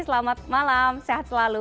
selamat malam sehat selalu